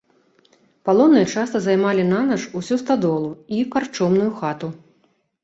Палонныя часта займалі нанач усю стадолу і карчомную хату.